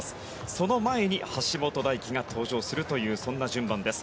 その前に橋本大輝が登場するという順番です。